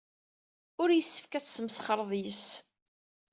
Ur yessefk ad tesmesxreḍ yes-s.